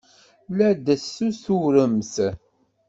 La d-tessurrutemt?